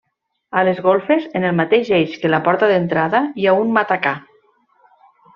A les golfes, en el mateix eix que la porta d'entrada, hi ha un matacà.